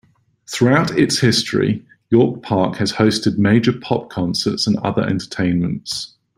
Throughout its history, York Park has hosted major pop concerts and other entertainments.